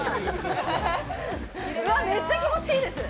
めっちゃ気持ちいいです。